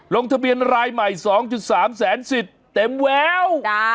ลงทะเบียนรายใหม่๒๓แสนสิทธิ์เต็มแวว